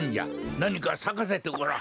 なにかさかせてごらん。